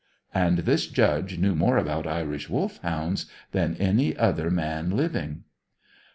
And this Judge knew more about Irish Wolfhounds than any other man living.